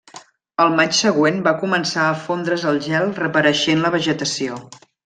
Al maig següent va començar a fondre's el gel reapareixent la vegetació.